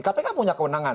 kpk punya kewenangan